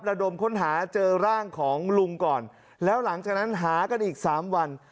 ระดมค้นหาเจอร่างของลุงก่อนแล้วหลังจากนั้นหากันอีกสามวัน